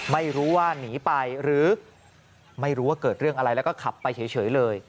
ไม่รู้ว่าหนีไปหรือไม่รู้ว่าเกิดเรื่องอะไรแล้วก็ขับไปเฉยเลย